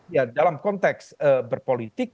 ya dalam konteks berpolitik